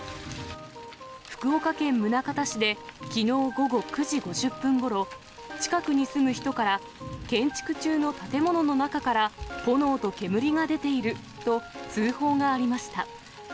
福岡県宗像市できのう午後９時５０分ごろ、近くに住む人から、建築中の建物の中から炎と煙が出ていると、通報がありました。